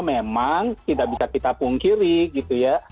memang tidak bisa kita pungkiri gitu ya